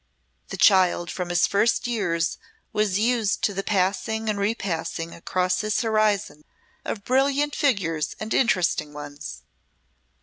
The child from his first years was used to the passing and repassing across his horizon of brilliant figures and interesting ones.